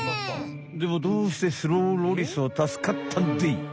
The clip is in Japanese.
でもどうしてスローロリスは助かったんでい？